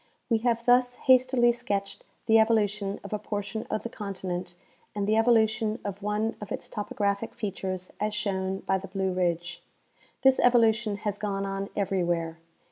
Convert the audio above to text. We have thus hastily sketched the evolution of a portion of the continent and the evolution of one of its topographic fea tures as shown by the Blue ridge. This evolution has gone on everywhere.